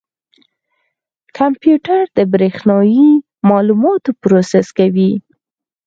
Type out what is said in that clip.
کمپیوټر د برېښنایي معلوماتو پروسس کوي.